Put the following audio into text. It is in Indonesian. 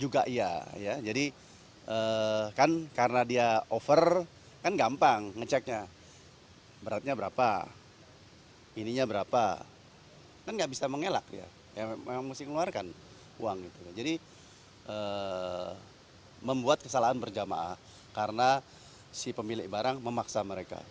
juga iya ya jadi kan karena dia over kan gampang ngeceknya beratnya berapa ininya berapa kan enggak bisa mengelak ya memang harus mengeluarkan uang gitu jadi membuat kesalahan berjamaah karena si pemilik barang memaksa mereka gitu